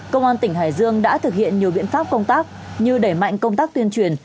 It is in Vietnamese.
công an tỉnh hải dương đã thực hiện nhiều biện pháp công tác như đẩy mạnh công tác tuyên truyền